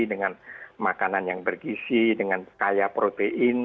dengan makanan yang bergisi dengan kaya protein